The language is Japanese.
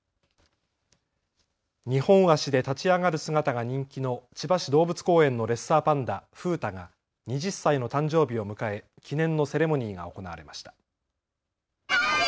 ２本足で立ち上がる姿が人気の千葉市動物公園のレッサーパンダ、風太が２０歳の誕生日を迎え記念のセレモニーが行われました。